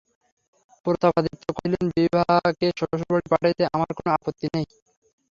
প্রতাপাদিত্য কহিলেন, বিভাকে শ্বশুরবাড়ি পাঠাইতে আমার কোনো আপত্তি নাই।